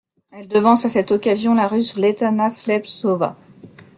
Elle devance à cette occasion la Russe Svetlana Sleptsova.